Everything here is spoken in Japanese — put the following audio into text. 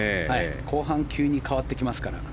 後半、急に変わってきますから。